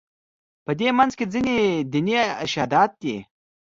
په دې منځ کې ځینې دیني ارشادات دي.